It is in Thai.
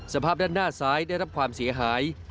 สภาพด้านหน้าซ้ายได้รับความเสียหาย